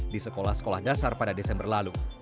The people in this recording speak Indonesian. di sekolah sekolah dasar pada desember lalu